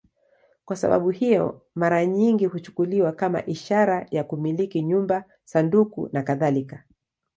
Kwa sababu hiyo, mara nyingi huchukuliwa kama ishara ya kumiliki nyumba, sanduku nakadhalika.